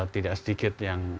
tidak sedikit yang